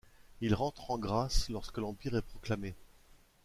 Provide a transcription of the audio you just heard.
Il rentre en grâce lorsque l'Empire est proclamé.